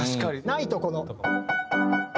ないとこの。